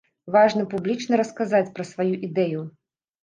Важна публічна расказаць пра сваю ідэю.